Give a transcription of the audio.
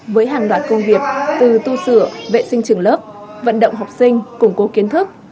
với hàng loạt công việc từ tu sửa vệ sinh trường lớp vận động học sinh củng cố kiến thức